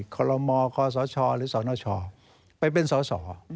คลมมคศชหรือสนชไปเป็นสศ